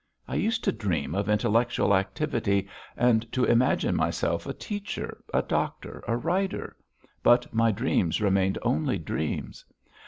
I used to dream of intellectual activity, and to imagine myself a teacher, a doctor, a writer, but my dreams remained only dreams.